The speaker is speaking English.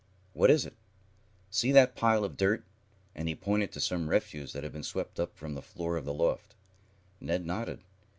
"What is it?" "See that pile of dirt?" and he pointed to some refuse that had been swept up from the floor of the loft. Ned nodded.